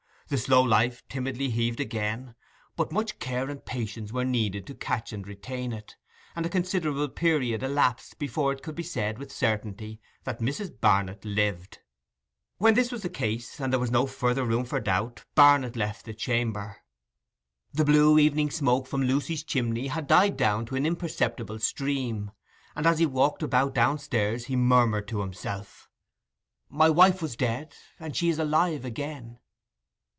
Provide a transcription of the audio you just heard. The slow life timidly heaved again; but much care and patience were needed to catch and retain it, and a considerable period elapsed before it could be said with certainty that Mrs. Barnet lived. When this was the case, and there was no further room for doubt, Barnet left the chamber. The blue evening smoke from Lucy's chimney had died down to an imperceptible stream, and as he walked about downstairs he murmured to himself, 'My wife was dead, and she is alive again.